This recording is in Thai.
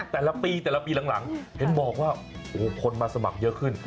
แต่ละปีแต่ละปีหลังเห็นบอกว่าคนมาสมัครเยอะขึ้น